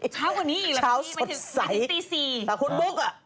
เช้าก่อนนี้หรือเปล่าไม่ถึงตี๔นาทีแล้วคุณบุ๊กอ่ะ